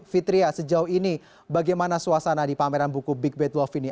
fitria sejauh ini bagaimana suasana di pameran buku big bad wolf ini